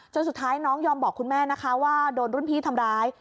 สุดท้ายน้องยอมบอกคุณแม่นะคะว่าโดนรุ่นพี่ทำร้าย